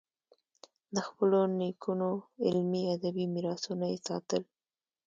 د خپلو نیکونو علمي، ادبي میراثونه یې ساتل.